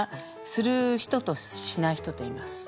する人としない人といます。